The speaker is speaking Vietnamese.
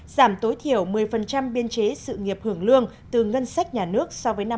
giảm tối thiểu một mươi biên chế sự nghiệp hưởng lương từ ngân sách nhà nước